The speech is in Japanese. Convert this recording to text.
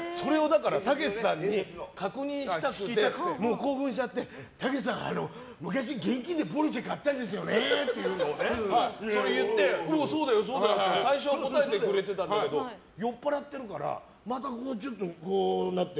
たけしさんに確認したくてもう興奮しちゃってたけしさん、あの、昔現金でポルシェ買ったんですよねって言っておう、そうだよって最初は答えてくれてたんだけど酔っぱらってるからまたこうなって。